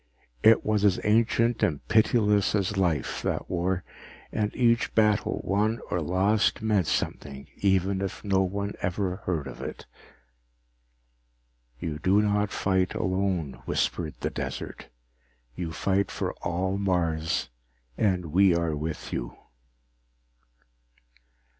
It was as ancient and pitiless as life, that war, and each battle won or lost meant something even if no one ever heard of it. You do not fight alone, whispered the desert. _You fight for all Mars, and we are with you.